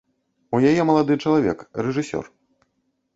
У яе малады чалавек, рэжысёр.